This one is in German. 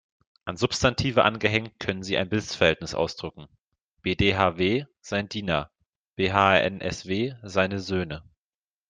An Substantive angehängt können sie ein Besitzverhältnis ausdrücken: "ʿbd-hw" „sein Diener“, "bhn-sw" „seine Söhne“.